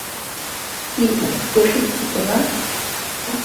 কী, প্রশিক্ষিত না?